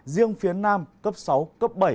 riêng phía nam cấp sáu cấp bảy